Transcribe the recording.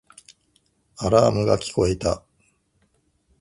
アラームが聞こえた